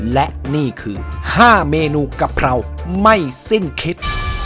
และนี่คือ๕เมนูกับเราไม่สิ้นคิด